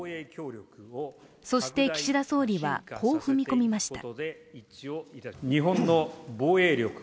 そして、岸田総理はこう踏み込みました。